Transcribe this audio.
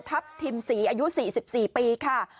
ทัพทิมศรีอายุ๔๔ปีค่ะ